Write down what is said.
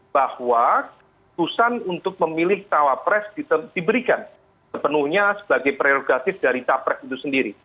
bahwa susah untuk memilih cawapres diberikan sepenuhnya sebagai prerogatif dari cawapres itu sendiri